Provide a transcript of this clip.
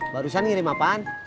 barusan ngirim apaan